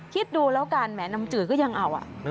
คิดดูแล้วกันแหมน้ำจืดก็ยังเอา